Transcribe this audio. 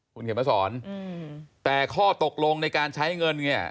คุณเขียนมาสอนแต่ข้อตกลงในการใช้เงินเนี่ย